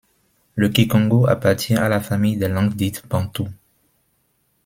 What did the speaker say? Le kikongo appartient à la famille des langues dites bantoues.